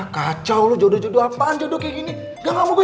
kacau lo jodoh jodoh apaan jodoh kayak gini gak mau gue